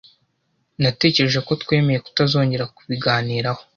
Natekereje ko twemeye kutazongera kubiganiraho.